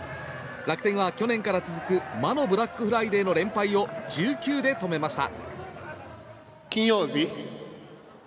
楽天は去年から続く魔のブラックフライデーの連敗を１９で止めました。